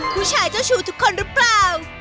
ผู้ชายเจ้าชูทุกคนหรือเปล่า